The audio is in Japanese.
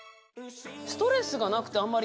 ストレスがなくてあんまり。